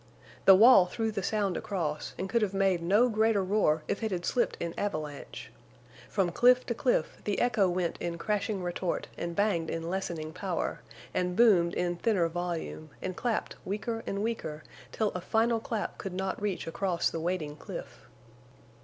The wall threw the sound across, and could have made no greater roar if it had slipped in avalanche. From cliff to cliff the echo went in crashing retort and banged in lessening power, and boomed in thinner volume, and clapped weaker and weaker till a final clap could not reach across the waiting cliff.